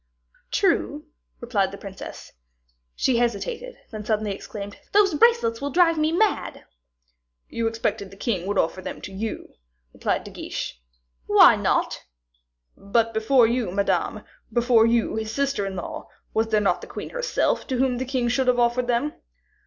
"True," replied the princess. She hesitated, and then suddenly exclaimed, "Those bracelets will drive me mad." "You expected the king would offer them to you," replied De Guiche. "Why not?" "But before you, Madame, before you, his sister in law, was there not the queen herself to whom the king should have offered them?"